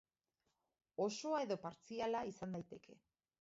Osoa edo partziala izan daiteke.